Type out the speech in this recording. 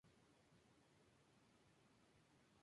Aquí recibe el papel antagónico de Renzo.